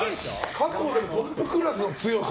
過去トップクラスの強さ。